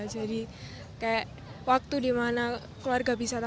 jadi kayak waktu di mana keluarga bisa tampil